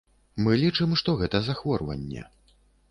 Мы лічым, што гэта захворванне.